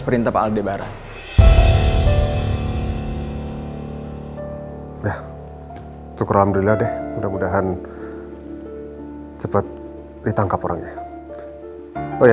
perintah aldebaran ya cukur alhamdulillah deh mudah mudahan cepat ditangkap orangnya oh ya